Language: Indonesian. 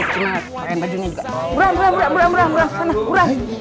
cuman main bajunya juga